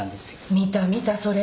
見た見たそれ。